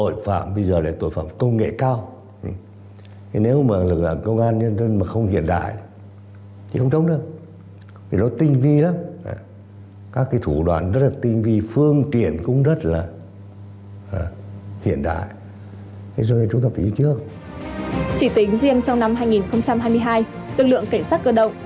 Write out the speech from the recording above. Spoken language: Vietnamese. chỉ tính riêng trong năm hai nghìn hai mươi hai lực lượng cảnh sát cơ động đã tăng cường trên hai mươi năm lượt cán bộ chiến sĩ